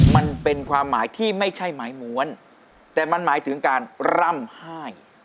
มันเป็นความหมายที่ไม่ใช่หมายม้วนแต่มันหมายถึงการร่ำไห้